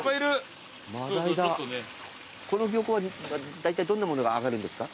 この漁港はだいたいどんなものが揚がるんですか？